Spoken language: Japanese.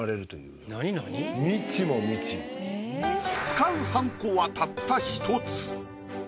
使うはんこはたった１つ。